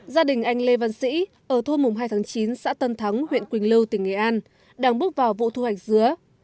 gia đình anh lê văn sĩ ở thôn mùng hai tháng chín xã tân thắng huyện quỳnh lưu tỉnh nghệ an đang bước vào vụ thu hoạch dứa